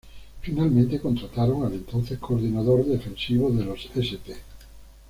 Finalmente contrataron al entonces coordinador defensivo de los St.